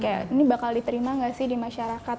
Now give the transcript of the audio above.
kayak ini bakal diterima nggak sih di masyarakat